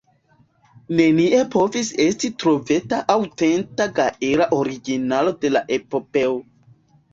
Nenie povis esti trovata aŭtenta gaela originalo de la epopeo.